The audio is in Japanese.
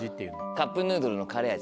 カップヌードルのカレー味。